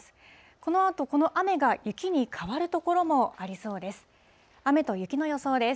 このあと、この雨が雪に変わる所もありそうです。